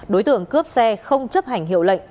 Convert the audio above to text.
đối tượng cướp xe không chấp hành hiệu lệnh